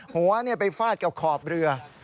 หัวไปฟาดกับขอบเรือ